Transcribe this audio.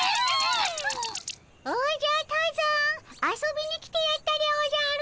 おじゃ多山遊びに来てやったでおじゃる。